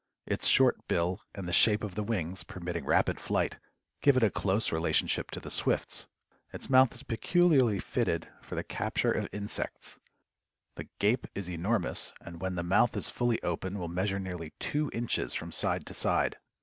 Its short bill and the shape of the wings, permitting rapid flight, give it a close relationship to the swifts. Its mouth is peculiarly fitted for the capture of insects. The gape is enormous, and when the mouth is fully open, will measure nearly two inches from side to side.